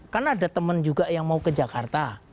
kan ada teman juga yang mau ke jakarta